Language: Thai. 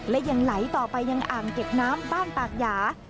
และยังไหลต่อไปยังอ่างเก็บน้ำบ้านปากหยา